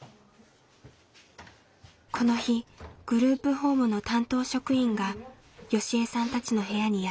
この日グループホームの担当職員がよしえさんたちの部屋にやって来ました。